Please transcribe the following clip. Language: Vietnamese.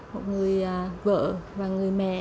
một người vợ và người mẹ